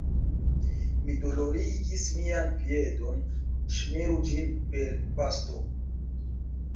Mi dolorigis mian piedon, ŝmiru ĝin per pasto.